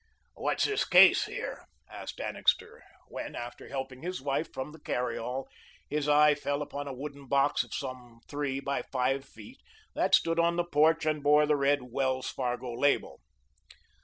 "What's this case here?" asked Annixter, when, after helping his wife from the carry all, his eye fell upon a wooden box of some three by five feet that stood on the porch and bore the red Wells Fargo label.